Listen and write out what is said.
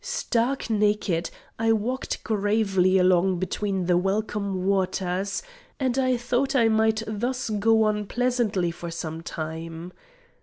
Stark naked, I walked gravely along between the welcome waters, and I thought I might thus go on pleasantly for some time.